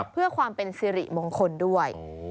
เพื่อความเป็นสิริมงคลด้วย